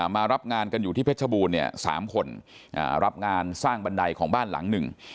มารับงานกันอยู่ที่เพชรบูรณ์เนี่ย๓คนรับงานสร้างบันไดของบ้านหลังหนึ่ง